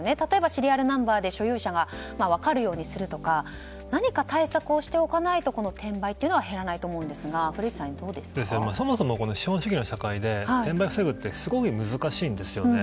シリアルナンバーで分かるようにするとか何か対策をしておかないと転売は減らないと思いますがそもそも資本主義社会で転売を防ぐって難しいんですよね。